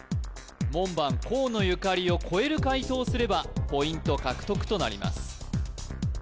門番河野ゆかりを超える解答をすればポイント獲得となります